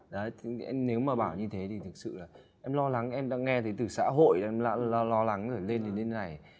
đấy nếu mà bảo như thế thì thực sự là em lo lắng em đã nghe từ xã hội em lo lắng rồi lên đến đây này